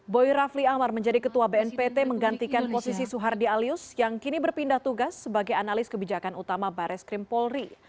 boy rafli amar menjadi ketua bnpt menggantikan posisi soehardi alyus yang kini berpindah tugas sebagai analis kebijakan utama bares krim polri